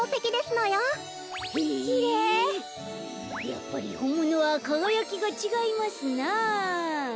やっぱりほんものはかがやきがちがいますな。